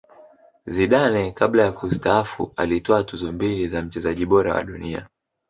zidane kabla ya kustaafu alitwaa tuzo mbili za mchezaji bora wa dunia